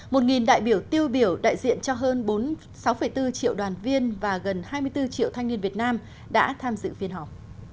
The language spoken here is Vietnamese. một đại biểu tiêu biểu đại diện cho hơn sáu bốn triệu đoàn viên và gần hai mươi bốn triệu thanh niên việt nam đã tham dự phiên họp